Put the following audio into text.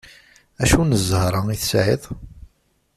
Acu n zher-a i tesɛiḍ!